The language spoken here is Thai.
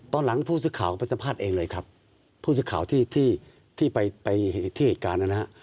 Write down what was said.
ตอนหลังผู้สื่อข่าวไปสัมภาษณ์เองเลยครับผู้สื่อข่าวที่ที่ไปที่เหตุการณ์นะฮะ